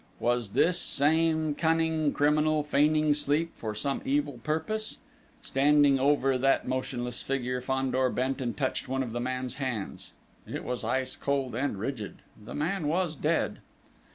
Was this same cunning criminal feigning sleep for some evil purpose? Standing over that motionless figure, Fandor bent and touched one of the man's hands: it was ice cold and rigid. The man was dead!